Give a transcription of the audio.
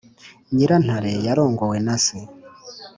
nyirantare yarongowe na se